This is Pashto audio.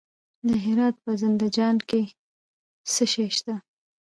د هرات په زنده جان کې څه شی شته؟